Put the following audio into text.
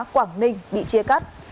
quảng ninh bị chia cắt